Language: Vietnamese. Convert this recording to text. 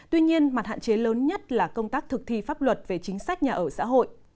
tuy nhiên mặt hạn chế lớn nhất là công tác thực thi pháp luật về chính sách nhà ở xã hội